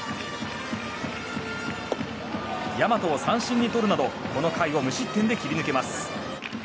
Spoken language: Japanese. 大和を三振にとるなどこの回を無失点で切り抜けます。